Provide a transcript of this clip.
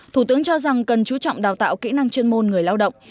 thủ tướng cho rằng cần chú trọng đào tạo kỹ năng chuyên môn người lao động